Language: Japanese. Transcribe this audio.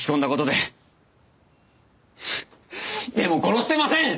でも殺してません！